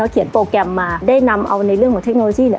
เขียนโปรแกรมมาได้นำเอาในเรื่องของเทคโนโลยี